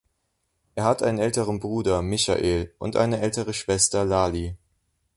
Er hat einen älteren Bruder, Michael, und eine ältere Schwester, Lali.